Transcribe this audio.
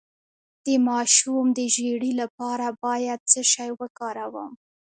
د ماشوم د ژیړي لپاره باید څه شی وکاروم؟